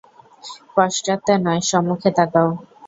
পশ্চাতে নয়, সম্মুখে তাকাও।